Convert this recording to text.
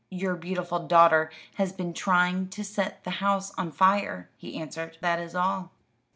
"Your beautiful daughter has been trying to set the house on fire," he answered. "That is all."